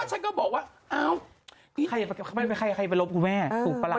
ก็ฉันก็บอกว่าอ้าวใครใครใครไปลบกูแม่ถูกประหลาด